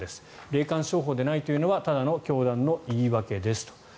霊感商法でないというのはただの教団の言い訳です。